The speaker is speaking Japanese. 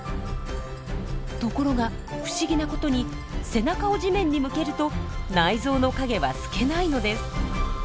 ところが不思議なことに背中を地面に向けると内臓の影は透けないのです。